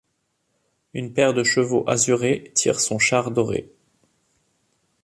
Une paire de chevaux azurés tire son char doré.